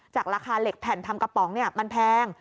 ราคาเหล็กแผ่นทำกระป๋องมันแพง